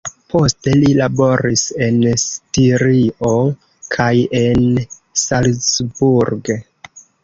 Poste li laboris en Stirio kaj en Salzburg.